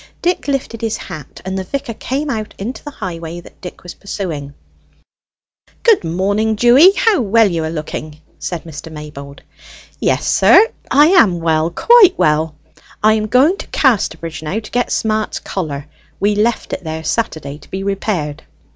Dick lifted his hat, and the vicar came out into the highway that Dick was pursuing. "Good morning, Dewy. How well you are looking!" said Mr. Maybold. "Yes, sir, I am well quite well! I am going to Casterbridge now, to get Smart's collar; we left it there Saturday to be repaired."